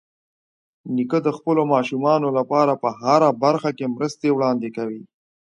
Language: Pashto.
نیکه د خپلو ماشومانو لپاره په هره برخه کې مرستې وړاندې کوي.